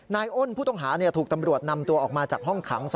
อ้นผู้ต้องหาถูกตำรวจนำตัวออกมาจากห้องขัง